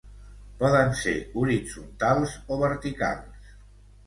Poden ser horitzontals o verticals.